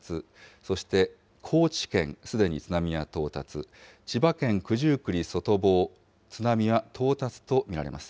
そして高知県、すでに津波は到達、千葉県九十九里外房、津波は到達と見られます。